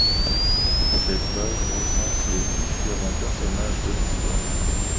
Cette page recense les différents personnages de l'histoire.